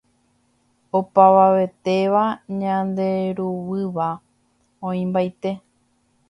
opavavetéva ñanderuguýva oĩmbaite